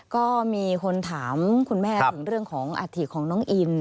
ก็มีคนถามคุณแม่ถึงเรื่องของอาถิของน้องอิน